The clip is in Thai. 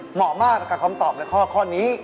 เหมาะมากกับคำตอบในข้อนี้